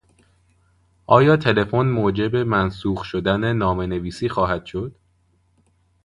آیا تلفن موجب منسوخ شدن نامهنویسی خواهد شد؟